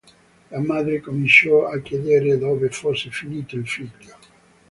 La madre cominciò a chiedere dove fosse finito il figlio.